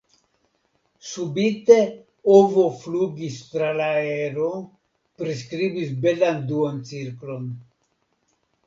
Subite ovo flugis tra la aero, priskribis belan duoncirklon.